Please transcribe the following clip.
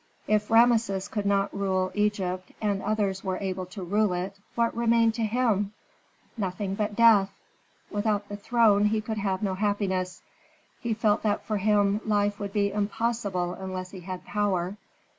If Rameses could not rule Egypt, and others were able to rule it, what remained to him? Nothing but death. Without the throne he could have no happiness. He felt that for him life would be impossible unless he had power.